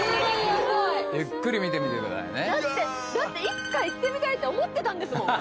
ゆっくり見てみてくださいねだってだっていつか行ってみたいって思ってたんですもん！